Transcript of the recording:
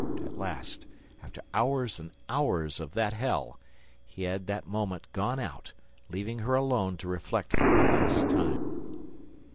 At last, after hours and hours of that hell, he had that moment gone out, leaving her alone to reflect for the last time.